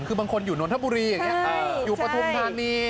คือบางคนอยู่นนทบุรีอย่างนี้อยู่ปฐุมธานี